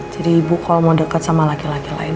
jadi ibu kalo mau deket sama laki laki lain